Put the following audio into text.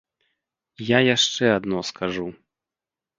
Я яшчэ адно скажу.